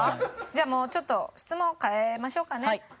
じゃあもうちょっと質問を変えましょうかね。